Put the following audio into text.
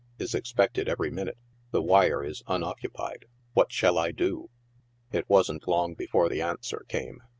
Is expected every minute. The wire is uaoccuniod What shall I do ?"* It wasn't long before the answer came.